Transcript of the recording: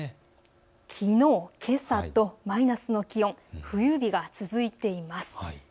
きのう、けさとマイナスの気温、冬日が続いています。